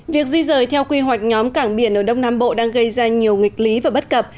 việc di rời theo quy hoạch nhóm cảng biển ở đông nam bộ đang gây ra nhiều nghịch lý và bất cập